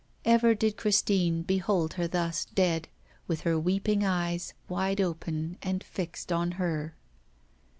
Ever did Christine behold her thus dead, with her weeping eyes wide open and fixed on her.